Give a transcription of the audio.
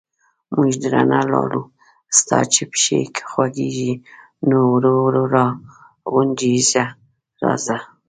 موږ درنه لاړو، ستا چې پښې خوګېږي، نو ورو ورو را غونجېږه راځه...